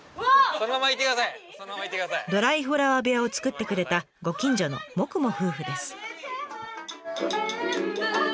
ドライフラワー部屋を作ってくれたご近所のｍｏｋｕｍｏ夫婦です。